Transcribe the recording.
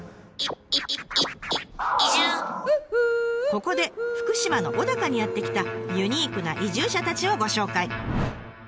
ここで福島の小高にやって来たユニークな移住者たちをご紹介！